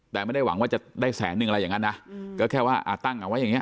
แต่ไม่ได้หวังว่าจะได้แสนนึงอะไรอย่างนั้นนะก็แค่ว่าตั้งเอาไว้อย่างเงี